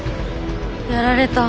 やられた。